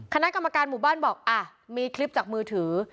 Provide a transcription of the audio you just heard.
คณะกรรมการหมู่บ้านบอกอ่ะมีคลิปจากมือถือ